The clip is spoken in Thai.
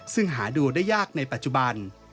ซึ่งหาดูได้ยากในปัจจุบัน